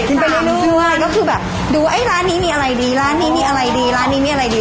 ไปเรื่อยคืออะไรก็คือแบบดูว่าร้านนี้มีอะไรดีร้านนี้มีอะไรดีร้านนี้มีอะไรดี